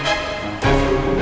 aku akan menjaga dia